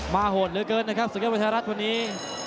มาห่วงเหลือเกินนะครับศึกษาวิทยาลัยศาสตร์วันนี้